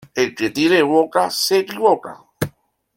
El que tiene boca se equivoca.